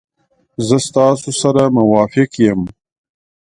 زه ستاسو سره موافق یم.